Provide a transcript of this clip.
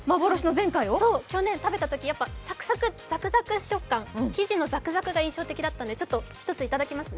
去年食べたとき、やっぱりザクザク食感、生地のザクザクが印象的だったので１ついただきますね。